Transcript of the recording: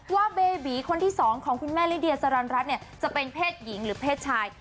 เบบีคนที่๒ของคุณแม่ลิเดียสรรรัฐเนี่ยจะเป็นเพศหญิงหรือเพศชาย